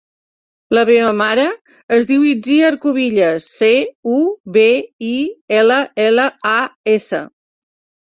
La meva mare es diu Itziar Cubillas: ce, u, be, i, ela, ela, a, essa.